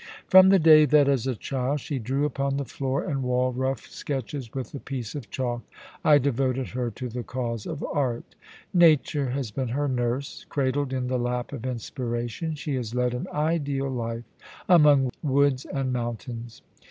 From the day that, as a child, she drew upon the floor and wall rough sketches with a piece of chalk, I devoted her to the cause of art Nature has been her nurse. Cradled in the lap of inspiration, she has led an ideal life among woods and mountains.